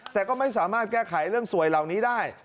แต่ก็ไม่สามารถแก้ไขเรื่องสวยเหล่านี้ได้